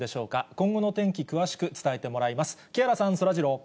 今後のお天気、詳しく伝えてもらいます。